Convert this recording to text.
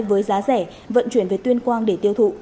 với giá rẻ vận chuyển về tuyên quang để tiêu thụ